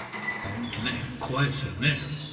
本当ね、怖いですよね。